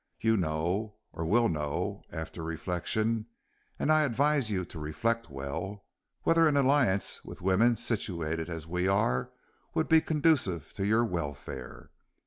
You know, or will know after reflection (and I advise you to reflect well), whether an alliance with women situated as we are would be conducive to your welfare.